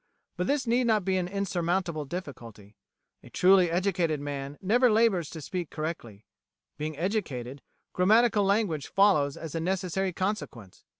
But this need not be an insurmountable difficulty. A truly educated man never labours to speak correctly; being educated, grammatical language follows as a necessary consequence.